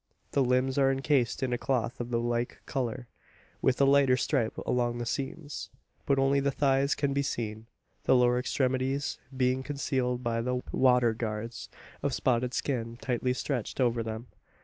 The limbs are encased in a cloth of the like colour, with a lighter stripe along the seams. But only the thighs can be seen the lower extremities being concealed by the "water guards" of spotted skin tightly stretched over them.